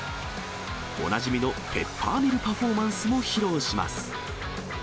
おなじみのペッパーミルパフォーマンスも披露します。